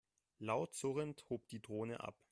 Laut surrend hob die Drohne ab.